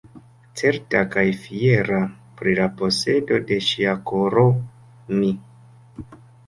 Certa kaj fiera pri la posedo de ŝia koro, mi.